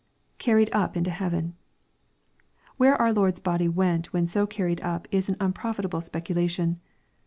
[Carried up into heaven.] Where our Xord's body went when so carried up, is an unprofitable speculation.